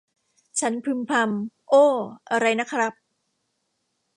ฉันพึมพำ โอ้ อะไรนะครับ